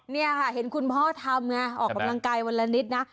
นี่ค่ะเห็นคุณพ่อทำไงออกกำลังกายวันละนิดนะ